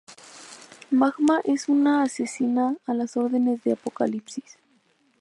Magma es una asesina a las órdenes de Apocalipsis.